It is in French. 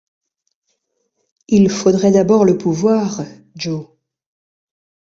Il faudrait d’abord le pouvoir, Joe.